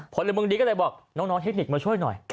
พลเมืองดีก็เลยบอกน้องเทคนิคมาช่วยหน่อย